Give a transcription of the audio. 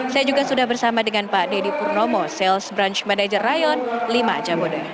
saya juga sudah bersama dengan pak deddy purnomo sales branch manager rayon lima jamode